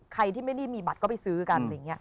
ใครที่ไม่ได้มีบัตรก็ไปซื้อกัน